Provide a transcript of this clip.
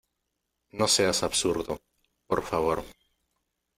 no seas absurdo, por favor.